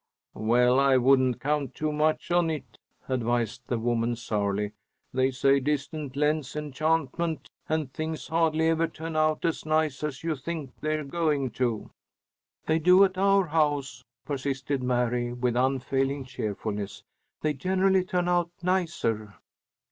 "Well, I wouldn't count too much on it," advised the woman, sourly. "They say distance lends enchantment, and things hardly ever turn out as nice as you think they're going to." "They do at our house," persisted Mary, with unfailing cheerfulness. "They generally turn out nicer."